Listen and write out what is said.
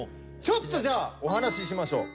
ちょっとお話ししましょう。